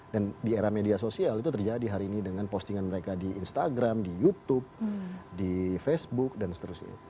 dan di era media sosial itu terjadi hari ini dengan postingan mereka di instagram di youtube di facebook dan seterusnya